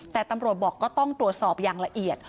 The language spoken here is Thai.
แต่ตำรวจบอกก็ต้องตรวจสอบอย่างละเอียด